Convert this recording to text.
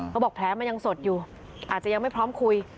แผลบอกแผลมันยังสดอยู่อาจจะยังไม่พร้อมคุย